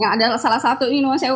yang ada salah satu ini ngo sewo